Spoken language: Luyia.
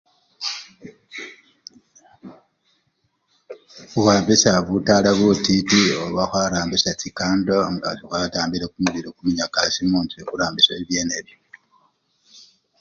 Khurambisya butala butiti oba kharambisya chikando nga khwatambile kumulilo! kumunyakasi munjju, khurambisya ebyenebyo.